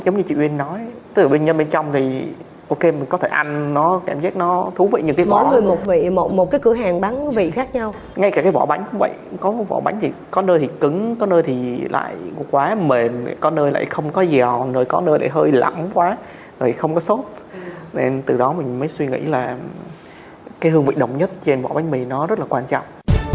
nên từ đó mình mới suy nghĩ là cái hương vị động nhất trên bò bánh mì nó rất là quan trọng